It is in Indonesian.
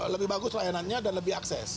lebih bagus layanannya dan lebih akses